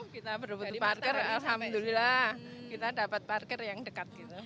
kita parkir alhamdulillah kita dapat parkir yang dekat gitu